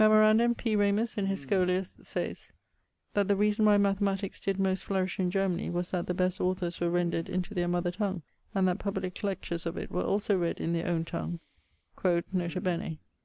Memorandum P. Ramus in his Scholia's sayes that the reason why mathematiques did most flourish in Germanie was that the best authors were rendred into their mother tongue, and that publique lectures of it were also read in their owne tongue quod nota bene.